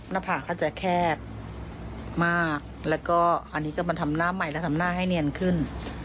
หน้าผากเขาจะแคบมากแล้วก็อันนี้ก็มาทำหน้าใหม่และทำหน้าให้เนียนขึ้น